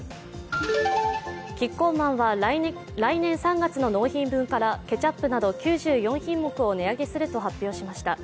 キッコーマンは来年３月の納品分からケチャップなど９４品目を値上げすると発表しました。